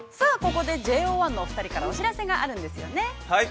ここでＪＯ１のお二人から、お知らせがあるんですよね。